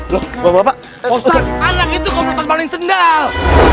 lo bapak bapak itu komputer paling sendal